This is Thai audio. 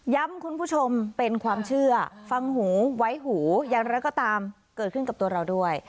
คุณผู้ชมเป็นความเชื่อฟังหูไว้หูอย่างไรก็ตามเกิดขึ้นกับตัวเราด้วย